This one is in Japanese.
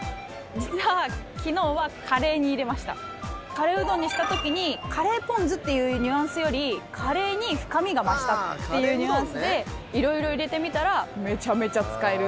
カレーうどんにした時にカレーポン酢っていうニュアンスよりカレーに深みが増したっていうニュアンスで色々入れてみたらめちゃめちゃ使える！